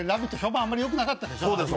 あんまり評判よくなかったでしょ。